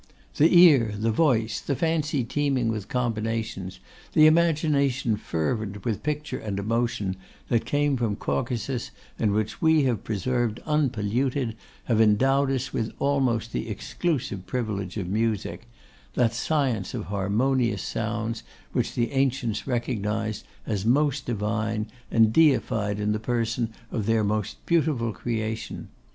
The ear, the voice, the fancy teeming with combinations, the imagination fervent with picture and emotion, that came from Caucasus, and which we have preserved unpolluted, have endowed us with almost the exclusive privilege of Music; that science of harmonious sounds, which the ancients recognised as most divine, and deified in the person of their most beautiful creation.